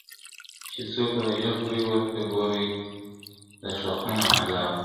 چي څوک روژه خوري ورته ګوري دوږخونه عذاب ..